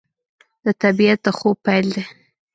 د طبیعت د خوب پیل دی